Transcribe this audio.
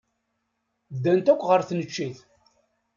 Ddant akk ɣer tneččit.